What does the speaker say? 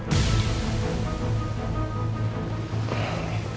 ini dia orangnya